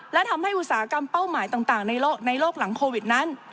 และทำให้อุตสาหกรรมเป้าหมายต่างในโลกหลังโควิดนั้น